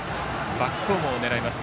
バックホームを狙います。